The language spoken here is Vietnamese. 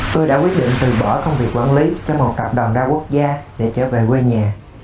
tôi đã quyết định từ bỏ công việc quản lý cho một tạp đoàn đa quốc gia để trở về quê nhà